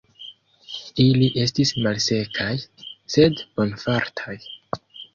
Ili estis malsekaj, sed bonfartaj.